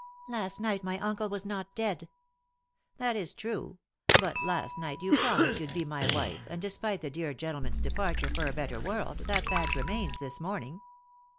"Last night my uncle was not dead." " That is true ; but last night you promised you'd be my wife, and, despite the dear gentleman's departure for a better world, that fact remains this morning."